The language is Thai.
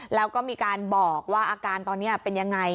แล้วก็มีการบอกว่าอาการตอนนี้เป็นยังไง